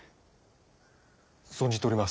存じております。